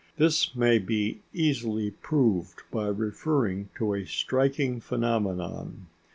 This may be easily proved by referring to a striking phenomenon.